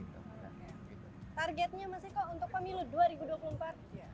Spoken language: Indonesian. targetnya mas eko untuk pemilu dua ribu dua puluh empat apa